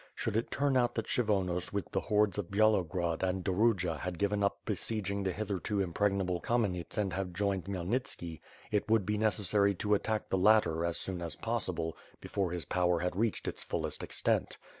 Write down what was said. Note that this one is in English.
Should it turn out that Kshyvonos with the hordes of Byalogrod and Dob rudja had given up besieging the hitherto impregnable Kam enets and have joined Khmyelnitski, it would be necessary to attack the latter as soon as possible, before his power had reached its fullest extent.